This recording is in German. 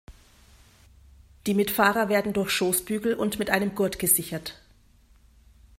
Die Mitfahrer werden durch Schoßbügel und mit einem Gurt gesichert.